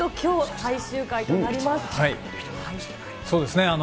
そうですね。